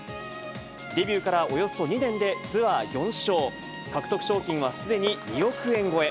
デビューからおよそ２年でツアー４勝、獲得賞金はすでに２億円超え。